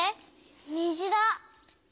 にじだ！